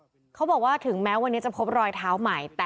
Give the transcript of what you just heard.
และก็คือว่าถึงแม้วันนี้จะพบรอยเท้าเสียแป้งจริงไหม